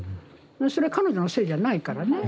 それは彼女のせいじゃないからね。